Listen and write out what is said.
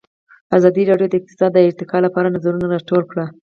ازادي راډیو د اقتصاد د ارتقا لپاره نظرونه راټول کړي.